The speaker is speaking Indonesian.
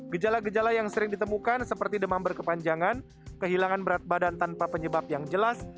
gejala gejala yang sering ditemukan seperti demam berkepanjangan kehilangan berat badan tanpa penyebab yang jelas